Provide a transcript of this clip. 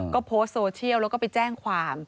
ก็โพสต์โซเชียลแล้วก็ไปแจ้งความ